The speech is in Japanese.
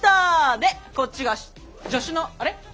でこっちが助手のあれ？